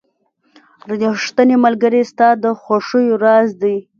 • ریښتینی ملګری ستا د خوښیو راز دی.